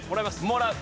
もらう。